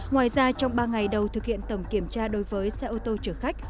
ngoài ra trong ba ngày đầu thực hiện tổng kiểm tra đối với xe ô tô chở khách